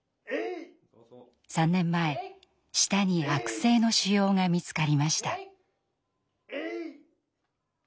３年前舌に悪性の腫瘍が見つかりました。